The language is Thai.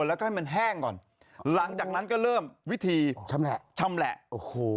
แล้วก็ให้มันแห้งก่อนหลังจากนั้นก็เริ่มวิธีชำแหละชำแหละโอ้โห